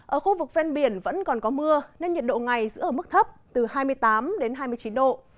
ở khu vực ven biển vẫn còn có mưa nên nhiệt độ ngày giữ ở mức thấp từ hai mươi tám đến hai mươi chín độ